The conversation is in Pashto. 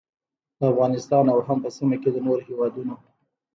د افغانستان او هم په سیمه کې د نورو هیوادونو